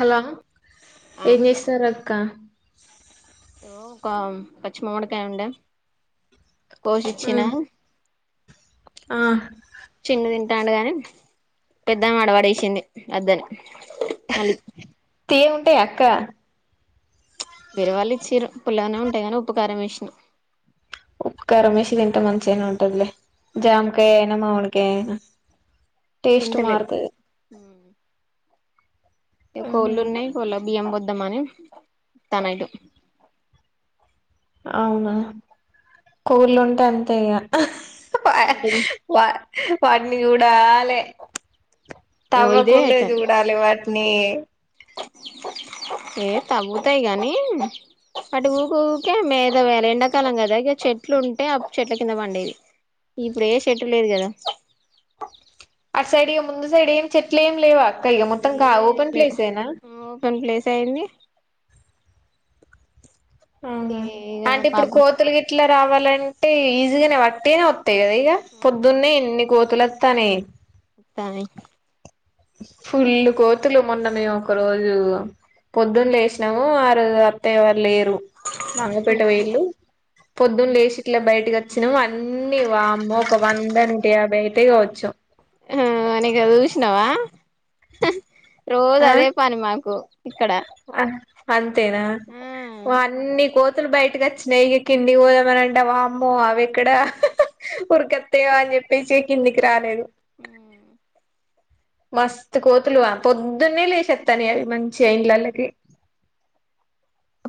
Hello ఏం ఇగో చేస్తారు అ అ [inaudible] క్క ఓ క పచ్చిమామిడికాయ ఉండే కోసిచ్చినా ఉమ్ ఆ చిన్ను తింటాడు కాని పెద్దవా ఆడపాడేసింది అద్దని అలి అట్టే అక్క వేరే వాళ్ళు ఇచ్చారు పుల్లాగానే ఉంటాయి కానీ ఉపకారం వేస్ని రమేష్ ది ఎంత మంచిగానే ఉంటదిలే జామకాయ అయినా మావిడికాయ అయినా టేస్ట్ తింటలె మారుతది ఉమ్ కోల్న్నా బ బియం బద్ మని టమాటొ అవునా కోళ్ళు ఉంటే అంతే ఇగ ప వాటిని ప వాట్ని యూడాలె ఇగో ఇదే తవ్వకుండే అయితాంది చూడాలి వాటిని ఏ తవ్వుతయి గనీ వాటు ఊక ఊరికే మ మీద వే ఎండాకాలం కదా ఇక చెట్లు ఉంటే ఆ చెట్ల కింద పండేది ఇప్పుడు ఏ చెట్లు లేదు కదా ఆ సైడ్ ఇఅ ముందు సైడ్ ఏం చెట్లు ఏం లేవా ఇఅ గ మొత్తం ఏం ఓపన్ లేవు ప్లేస్ ఏనా ఓపెన్ ప్లేస్ అయింది ఆ ఇగ అంటే ఇప్పుడు పాపం కోతులు గిట్ల రావాలంటే ఈజీగానే వట్టిగనె ఇగా పొద్దున్న ఎన్ని కో తులత్తానయి ఇత్తామ ఫుల్లు కోతులు మొన్న మేము ఒక రోజు పొద్దున్న లేసినాము ఆ రోజు అత్తయ్యవాళ్ళు లేరు రు మంగపేట వొయిళ్లు పొద్దున లేసి ఇట్ల బయట వచ్చినం అన్నీ వామ్మో ఒక వంద నుుయాభై అయితయి కావచ్చు హుం అనేక చూసినావా రోజు ఆ అదే పని మాకు ఇక్కడ ఉమ్ తులు బయటకి వచ్చినాయి ఇక కిన్ని పోదమనంటె వామ్మో అవి ఇక్కడ ఉరిక త్తయి అని చెప్పేసి కిందికి రాలేదు మస్తు కోతులుగా పొద్దున్నే లేశత్తానయి అవి మంచి ఇండ్లలోకి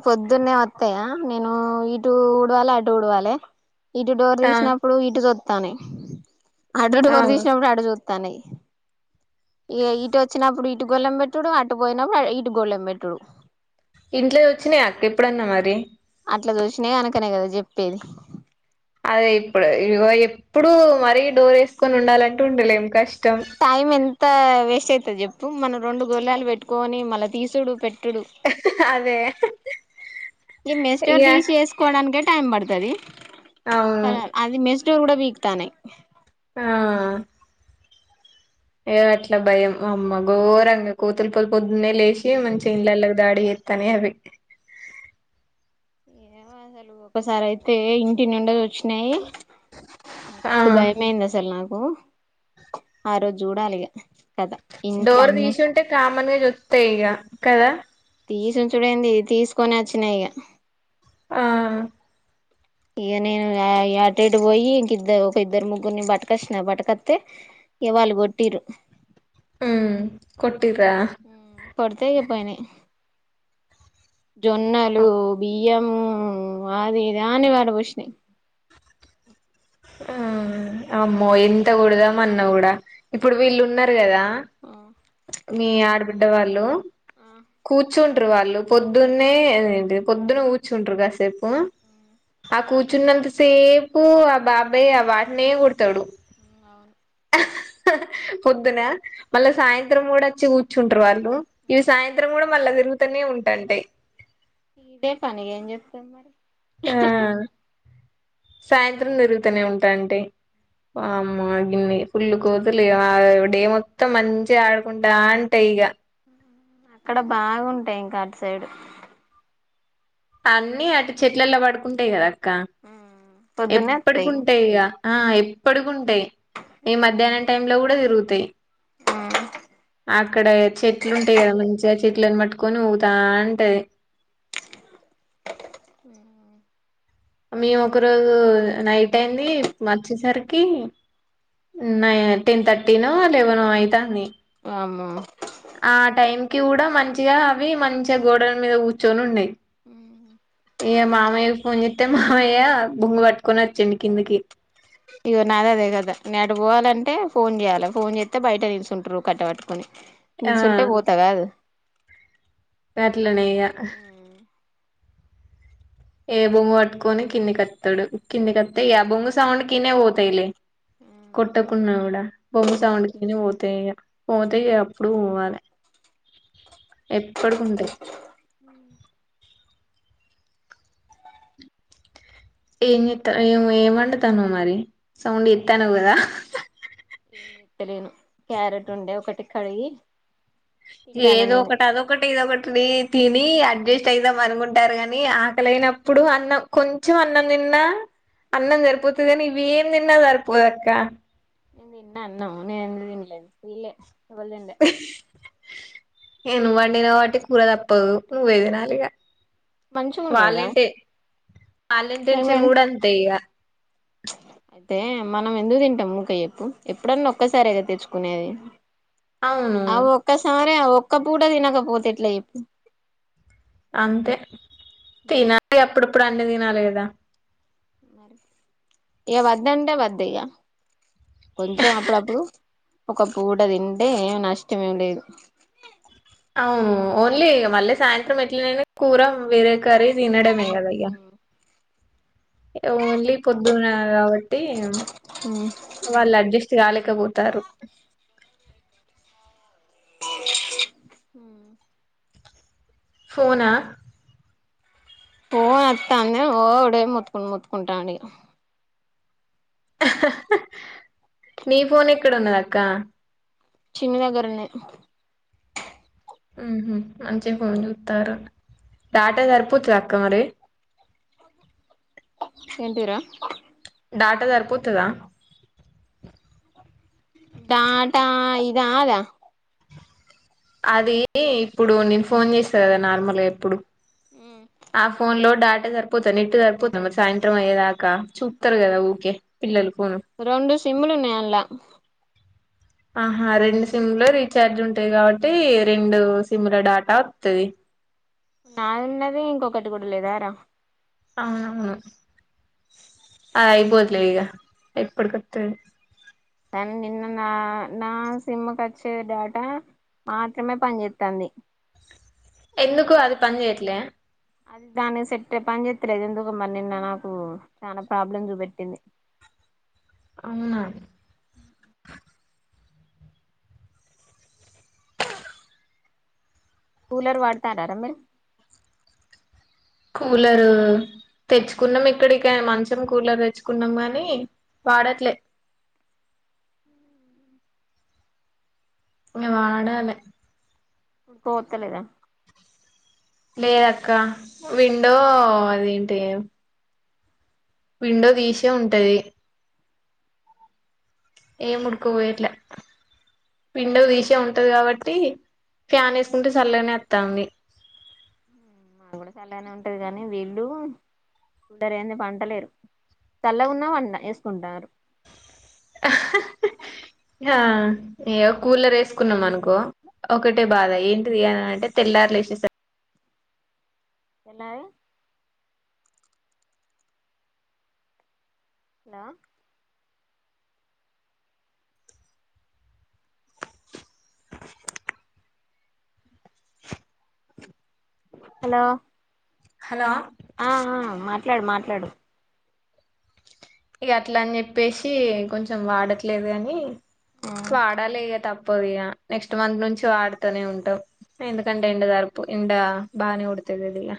పొద్దున్నే వత్తయా నేను ఇటు ఊడవాలి అటు ఊడవాలే ఇటు డోర్ ఆ తీసినప్పుడు ఇటు కొ తనే అటు ఆ డోరు తీసినప్పుడు అటు తన్నాయి ఇటు వచ్చినప్పుడు ఇటు గొలెం పెట్టటుడు అటు పోయినప్పుడు ఇటు గొళెం పెట్టటుడు ఇంట్లో వచ్చినాయి అక్క ఎప్పుడన్నా మరి ఇట్లా చూసినా ఎనకనే కదా చెప్పేది అదే ఇప్పుడు ఇగో ఎప్పుడు మరీ డోర్ వేసుకొని ఉండాలంటె ఉండలేం కష్టం టైమ్ ఎం త్త వేస్ట్ అయితది చెప్పు మనం రెండు గొల్లాలు పెట్టుకొని మళ్ళ తీసుడు పెట్ టుడు అదే ఈ మెస్ డోర్ ఇగ తీసి వేసుకోవడానికి టైమ్ పడతది అవును అది మెస్ డోర్ ఊడపీకుతాన్నయి ఆ ఏ అట్లా భయం అమ్మ ఘోరంగా కోతులు పొద్దు పొద్దున్న లేసి శి మంచిగా ఇండ్లల్లకి దాడి తాన్నయి అవి ఏమో అసలు ఒకసారి అయితే ఇంటి నిండా జొచ్చి నయి ఆ మస్తు భయమయింది అసలు నాకు ఆ రోజు చూడాలిగా డోర్ తీసుంటే కామన్గ జో త్తయి ఇగ కదా తీసి ఉంచుడెంది తీసుకొని వచ్చినయి ఇగ ఆ ఇగ నేను అటేటు పోయి ఇంకిద్దరు ఒక ఇద్దరు ముగ్గురుని పట్టకొచ్చిన పట్టకస్తే ఇక వాళ్ళు కొట్టిరు ఉమ్ కొట్ ఉమ్ కొడుతే ఇగ పోయినయి జొన్నలు ఆ బియ్యము అది ఇది అన్ని పడపోసినాయ్ ఆ అమ్మో ఎంతకొడదామన్న కూడా ఇప్పుడు వీళ్ళు ఉన్నారు కదా ఆ మీ ఆడబిడ్డ వాళ్ళు కుత్ కూర్చుంటరు వాళ్ళు పొద్దున్నే పొద్దున కూర్చుంటరు కాసేపు ఆ కూర్చున్నంత సేపు ఆ బాబాయ్ ఆ వాటినే కొడతడు అవును పొద్దున మళ్ళీ సాయంత్రం కూడా వచ్చి కూర్చుంటరు వాళ్ళు ఇవి సాయంత్రం కూడా మళ్ళా తిరుగు తనే ఉంటుంటాయి ఇదే పనిగ ఏం చేస్తాయి మరి ఆ సాయంత్రం తిరుగుతూనే ఉంటాంటయి వామ్మో గిన్ని ఫుల్లు కోతులిగా ఆ డే మొత్తం మంచిగా ఆడుకుంటంటాయి ఇగ అక్కడ బాగుంటాయి ఇంకాటు సైడు అన్ని అటు చెట్లలా పడుకుంటయి కదా క్క పొద్దున్నే వత్తాయి ఎప్పటికుంటయి ఇక ఆ ఎప్పటిగుంటయి ఈ మధ్యాహ్నం టైమ్ లో కూడా ఉంటయి తిరుగుతయి అక్కడ చెట్లు ఉంటయి కదా మంచి చెట్లలను పట్టుకొని ఊగుతాంటది అ మేము ఒక రోజు నైట్ అయింది వర్చ్చేసరికి న టెన్ థర్టీనో లెవెనో అయితుంది అమ ఆ టైం కి కూడా మంచిగా అవి మంచిగా గోడల మీద కూర్చొని ఉండేవి ఉ ఇయ్య మామయ్యకి ఫోన్ చెస్తే మామయ్య బొంగు పట్టుకుని వచ్చుండి కిందకి ఇగో నాద అదే కదా నేటు పోవాలంటే ఫోన్ చేయాలి ఫోన్ చేస్తే బయట నిల్చుంట్ర కట్టబట్టుకుని నుసుంటే పోతాగాదు గట్లనే ఇగ ఏ బొమ్మ పట్టుకొని కిందికోత్తాడు కిందికిత్తాయి ఆ బొమ్మ సౌండ్ కినే పోతాయిలే కొట్టకున్నా కూడా బొమ్మ సౌండ్ కినే పోతాయి పోతాయి అప్పుడు పోవాలి ఎప్పటికింటాయి ఏం ఏం ఏమ వండుతాను మరి సౌండ్ ఎత్తాను కదా ఏం చెత్తలేను క్యారెట్ ఉండే ఒకటి కడిగి తింటాన ఏదో నేను ఒకటి అద ఒకటి ఇద ఒకటి న తిని అడ్జస్ట్ అయిదాం అనుకుంటారు కాని ఆకలిైనప్పుడు అన్నం కొంచెం అన్నం తిన్నా అన్నం సరిపోతది కానీ ఇవి ఏం తిన్నా సరిపోదు అక్క నేను తిన్న అన్నం నేను ఎందుకు తినలేదు వీళ్ళే ఎవల్ తినలే న నువ్ వండినవ్ కబాటి కూర తప్పదు నువే తినాలిగా మంచిగా ఉండేదా వాలెంటైన్ వాలెంటైన్షన్ కూడా అంతే ఇగా అయితే మనం ఎందుకు తింటాం ముకే చెప్పు ఎప్పుడన్నా ఒక్కసారిగా తెచ్చుకునేది అవును ఆ ఒక్క సారి ఒక్క పూట తినకపోతేట్లా చెప్పు అంతే మరి తిన గ అప్పుడప్పుడు అన్ని తినాలి కదా ఇగ వద్దంటే వద్ద ఇగ కొంచెం అప్పుడప్పుడు ఒక పూట తింటే ఏమి నష్టం మేమి లేదు అవును ఓన్లీ మళ్ళీ సాయంత్రం ఎట్లనైనా కూర వేరేకర్రీ తినడమే కదయ్యా ఓన్లీ పొద్దున గ ట్టి వాళ్ళ అడ్జస్ట్ కలేదు పోతారు హ ఉ ఫోనా పోన్ వస్తా అందే ఓడే మొతుకు మొతుకుంతాండు ఇగ హ హ నీ ఫోన్ ఎక్కడ ఉన్నదాక్క చిన్న దగ్గర ఉన్నది ఉ ఉ మంచిగా ఫోన్ చూత్తరు డాటా సరిపోతదా అక్క మరి ఏంటిరా డాటా సరిపోతదా డాటా ఇద అద అది ఇప్పుడు నేను ఫోన్ చేస్తా కదా నార్మల్గా ఇప్పుడు ఆ ఫోన్ లో డాట ట్ సరిపోతా నెట్టు సరిపోద్దా? మరి సాయంత్రం అయ్యే దాకా, చూత్తరు కదా ఊకే పిల్లలు. ఫోను రెండు స్ సిమ్ములు ఉన్నాయి అన్లా ఆహా రెండు సిమ్ లో రీఛార్జ్ ఉంటది కాబట్టి రెండు సిమ్ ల డాటా వత్తది. నాదున్నది ఇంకొకటి కూడా లేదార? అవునవును. కానీ నిన్న నా నా సిమ్ కి వచ్చే డేటా మాత్రమే పనిచేత్తాంది. ఎందుకు అది పనిచేయట్లే? అది దాన్ని సెట్ పనిచేత్తలేదు ఎందుకో మరి నిన్న నాకు చాలా ప్రాబ్లమ్ చూపెట్టింది. అవునా కూలర్ వాడుతారా రా మీరు? కూలరు తెచ్చుకున్నాం ఇక్కడికి మంచం కూలర్ తెచ్చుకున్నాం కాని వాడట్లే. ఇంగ వాడాలే. పోతలేదా? లేదక్క, విండో అదేంటి? విండో తీసే ఉంటది. ఏం ఉడుకుపోయట్లా విండో తీసే ఉంటది కాబట్టి ఫ్యాన్ వేసుకుంటే చల్లగనే వత్తాంది. మాకు కూడా చల్లగానే ఉంటది కానీ వీళ్ళు కూలర్ లేంది పంటలేరు. చల్లగున్నా పన్ వేసుకుంటారు. ఆ ఇగ కూలర్ వేసుకున్నాం అనుకో ఒకటే బాధ ఏంటిది అనంటే తెల్లార్లు లేసే స తెల్లారే హలో హలో హలో ఆ ఆ మాట్లాడు మాట్లాడు. ఇగ అట్లని చెప్పేసి కొంచెం వాడట్లేదు అని ఆ వాడాలే ఇగా తప్ పోదిగా నెక్స్ట్ మంత్ నుంచి వాడతనే ఉంటాం. ఎందుకంటే ఎండ సరిపో ఎండ బానే కొడతదది గా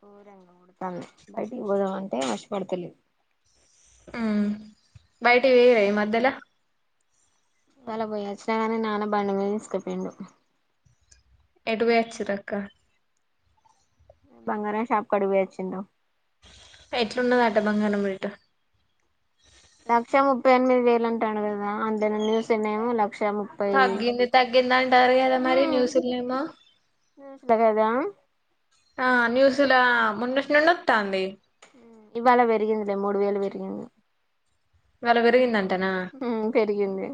ఘోరంగా కొడతాంది. బయటికి పోదామంటే [unintelligible] మ్మ్ బయటి పోయావా ఈ మధ్యలా? ఇవ్వాళ పోయోచ్చిన గానీ నాన్న బండి మీద తీస్కపోయిండు. ఎటుపోయోచ్చిర్రక్క? బంగారం షాప్కడకి పోయోచ్చిండ్రు. ఎట్లున్నదంటా బంగారం రేట్? లక్ష ముప్పై ఎనిమిది వేలు అంటాండు కదా, [unintelligible] న్యూస్ లో నేమో లక్ తగ్గింది తగ్గిందంటారు కదా మరి న్యూస్ ల నేమో న్యూస్ ల కదా! ఆ న్యూస్ లా మొన్నటి నుండి వత్తాంది. ఇవ్వాళ పెరిగిందిలే మూడు వేలు పెరిగింది. ఇవ్వాళ పెరిగిందటనా? హ్మ్ పెరిగింది.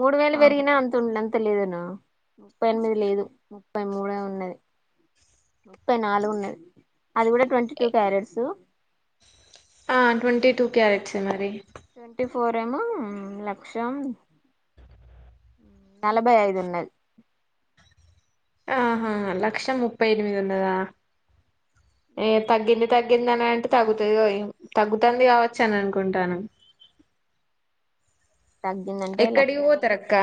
మూడు వేలు ఆ పెరిగినా అంతుండ త్త లేదునా? ముప్పై ఎనిమిది లేదు ముప్పై మూడే ఉన్నది. ముప్పై నాలుగు ఉన్నది, అది కూడా ట్వంటీ టూ క్యారెట్సు. ఆ ట్వంటీ టూ క్యారెట్సే మరి ట్వంటీ ఫోర్ ఏమో లక్షా నలభై ఐదున్నది. ఆహా లక్షం ముప్పై ఎనిమిదున్నదా? ఏ తగ్గింది తగ్గిందిని అంటే తగగుతుందో తగ్గుతుంది కావచ్చు అని అనుకుంటాను తగ్గిందంటే లక్ష ఎక్కడికి ఎనభై పోతారక్క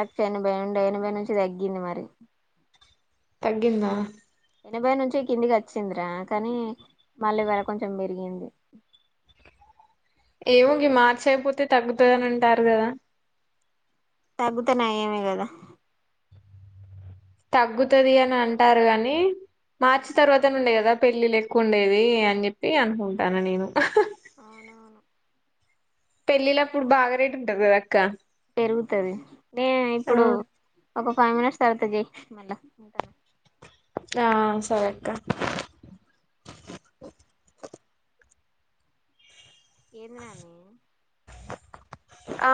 లక్ష ఎనభై నుండి ఎనభై నుంచి తగ్గి గిన్న మరి తగ్గిందా ఎనభై నుంచి కిందికచ్చిందిరా కానీ మల్లివాళ కొంచెం పెరిగింది ఏమింగ మార్చేయకపోతే తగ్గుతుందిని అంటారు కదా తగ్గుతున్నా ఏమీ కదా తగ్గుతుది అని అంటారు కాని మార్చి తర్వాత నుండే గదా పెళ్ళిలెక్కువ ఉండేది అని జెప్పి అనుకుంటన నేను అవునవును పెళ్ళిళ్ళప్పుడు బాగా రేటు ఉంటది కదక్క పెరుగుతది నే ఇప్పుడు ఒక ఫైవ్ మినిట్స్ తర్వాత జయి మళ్ళ ఆ సరే అక్క ఏందినాను ఆ